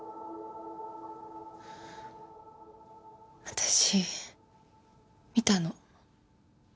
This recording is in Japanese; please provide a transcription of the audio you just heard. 私見たの。